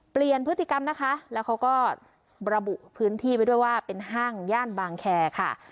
เปลี่ยนพฤติกรรมนะคะแล้วเขาก็ระบุพื้นที่ไว้ด้วยว่าเป็นห้างย่านบางแคร์ค่ะ